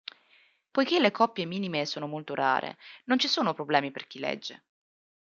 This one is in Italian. Poiché le coppie minime sono molto rare, non ci sono problemi per chi legge.